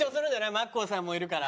マッコイさんもいるから。